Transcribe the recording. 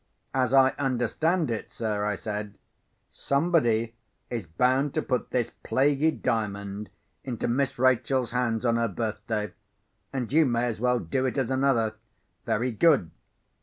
"As I understand it, sir," I said, "somebody is bound to put this plaguy Diamond into Miss Rachel's hands on her birthday—and you may as well do it as another. Very good.